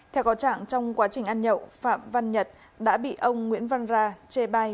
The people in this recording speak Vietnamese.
theo có trạng trong quá trình ăn nhậu phạm văn nhật đã bị ông nguyễn văn ra chê bai